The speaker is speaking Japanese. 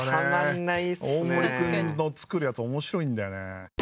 大森君の作るやつ面白いんだよね。